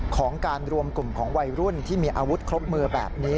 ของการรวมกลุ่มของวัยรุ่นที่มีอาวุธครบมือแบบนี้